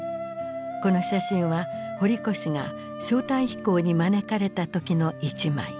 この写真は堀越が招待飛行に招かれた時の一枚。